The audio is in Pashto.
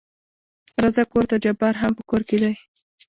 راځه کورته جبار هم په کور کې دى.